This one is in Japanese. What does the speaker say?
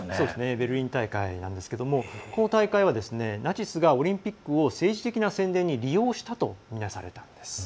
ベルリン大会なんですけどこの大会はナチスがオリンピックを政治的な宣伝に利用したとみなされたわけです。